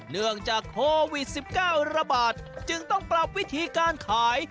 เนื่องจากโควิด๑๙ระบาดจึงต้องปรับวิธีการขาย